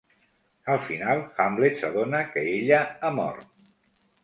Al final, Hamlet s'adona que ella ha mort.